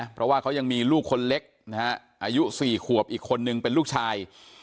เพราะว่าเขายังมีลูกคนเล็กนะฮะอายุ๔ขวบอีกคนนึงเป็นลูกชาย